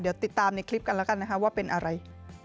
เดี๋ยวติดตามในคลิปกันแล้วกันนะคะว่าเป็นอะไร